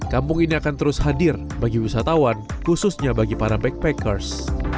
kampung ini akan terus hadir bagi wisatawan khususnya bagi para backpackers